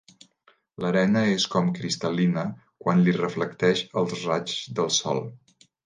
L'arena és com cristal·lina quan li reflecteix els raigs del sol.